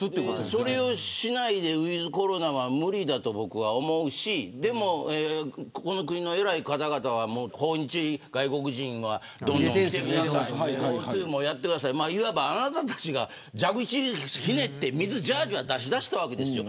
それをしないでウィズコロナは無理だと思うし、でもこの国の偉い方々は訪日外国人はどんどん入れるとかあなたたちが蛇口をひねって水を出し始めたわけですよ。